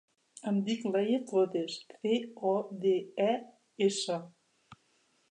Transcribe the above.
Em dic Leia Codes: ce, o, de, e, essa.